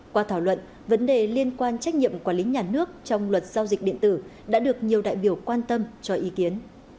qua thảo luận vấn đề liên quan trách nhiệm quản lý nhà nước trong luật giao dịch điện tử đã được nhiều đại biểu quan tâm cho ý kiến